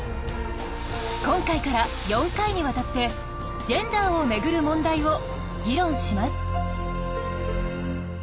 今回から４回にわたってジェンダーをめぐる問題を議論します。